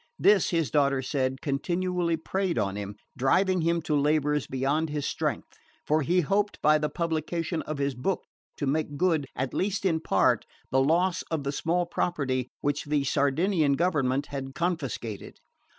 This, his daughter said, continually preyed on him, driving him to labours beyond his strength; for he hoped by the publication of his book to make good, at least in part, the loss of the small property which the Sardinian government had confiscated.